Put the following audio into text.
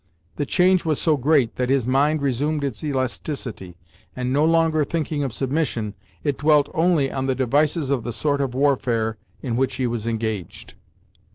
The change was so great that his mind resumed its elasticity, and no longer thinking of submission, it dwelt only on the devices of the sort of warfare in which he was engaged.